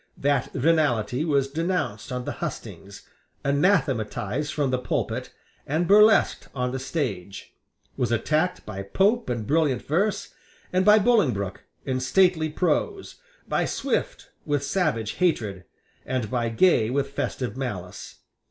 That venality was denounced on the hustings, anathematized from the pulpit, and burlesqued on the stage; was attacked by Pope in brilliant verse, and by Bolingbroke in stately prose, by Swift with savage hatred, and by Gay with festive malice.